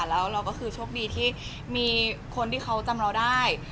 แล้วเราก็คือโชคดีที่มีคนที่เขาจำเราได้